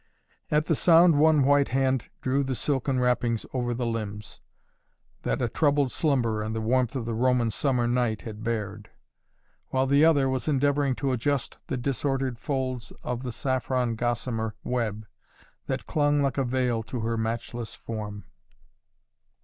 At the sound one white hand drew the silken wrappings over the limbs, that a troubled slumber and the warmth of the Roman summer night had bared, while the other was endeavoring to adjust the disordered folds of the saffron gossamer web that clung like a veil to her matchless form.